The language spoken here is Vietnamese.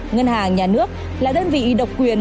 ngân hàng nhà nước là đơn vị độc quyền